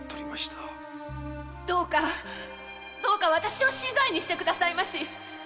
〔どうかどうか私を死罪にしてくださいまし！〕